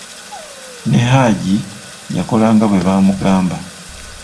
Ne Haji yakola nga bwe baamugamba.